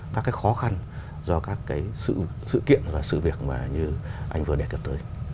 các cái khó khăn do các cái sự kiện và sự việc mà như anh vừa đề cập tới